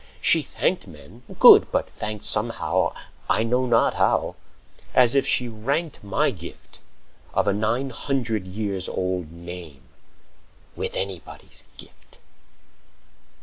She thanked men—good! but thanked Somehow—I know not how—as if she ranked My gift of a nine hundred years old name With anybody's gift.